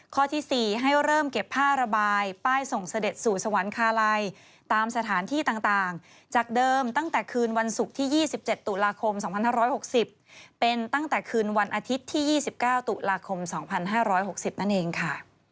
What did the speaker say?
ข้อที่๔ให้เริ่มเก็บผ้าระบายป้ายส่งเสด็จสู่สวรรคาลัยตามสถานที่ต่างจากเดิมตั้งแต่คืนวันศุกร์ที่๒๗ตุลาคม๒๕๖๐เป็นตั้งแต่คืนวันอาทิตย์ที่๒๙ตุลาคม๒๕๖๐นั่นเองค่ะ